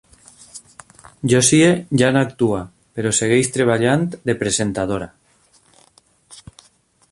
Josie ja no actua però segueix treballant de presentadora.